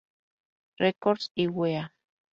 Records y Wea.